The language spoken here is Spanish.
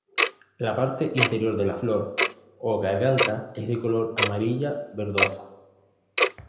La parte interior de la flor o garganta es de color amarilla verdosa.